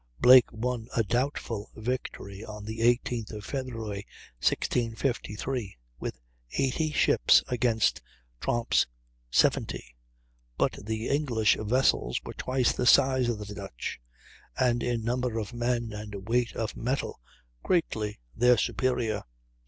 Blake won a doubtful victory on the 18th of February, 1653, with 80 ships against Tromp's 70; but the English vessels were twice the size of the Dutch, and in number of men and weight of metal greatly their superior.